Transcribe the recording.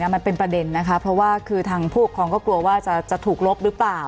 มันเป็นประเด็นนะคะเพราะว่าคือทางผู้ปกครองก็กลัวว่าจะถูกลบหรือเปล่า